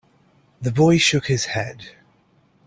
The boy shook his head.